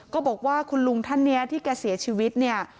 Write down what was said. บอกว่าคุณลุงท่านนี้ที่แกเสียชีวิตเนี่ย